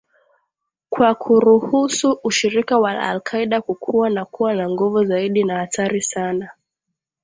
kwa kuruhusu ushirika wa alQaida kukua na kuwa na nguvu zaidi na hatari sana